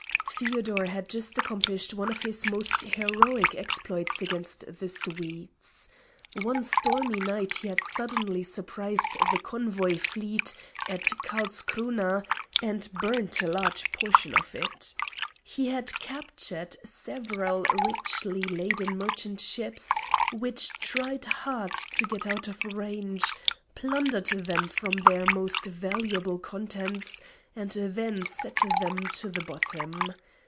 Feodor had just accomplished one of his most heroic exploits against the Swedes. One stormy night he had suddenly surprised the convoy fleet at Karlskrona and burnt a large portion of it. He had captured several richly laden merchant ships which tried hard to get out of range, plundered them of their most valuable contents, and then sent them to the bottom.